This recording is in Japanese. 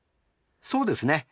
そうですね。